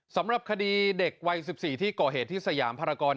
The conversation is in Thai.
สำหรับคดีเด็กวัย๑๔ที่ก่อเหตุที่สยามภารกร